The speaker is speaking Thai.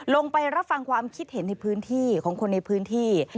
ลงไปรับฟังความคิดเห็นในพื้นที่ของคนในพื้นที่